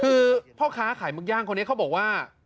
คือพ่อค้าขายหมึกย่างคนนี้เขาบอกว่า